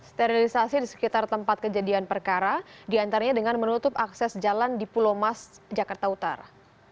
sterilisasi di sekitar tempat kejadian perkara diantaranya dengan menutup akses jalan di pulau mas jakarta utara